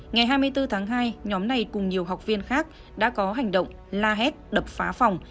ngày hai mươi bốn tháng hai nhóm này cùng nhiều học viên khác đã có hành động la hét đập phá phòng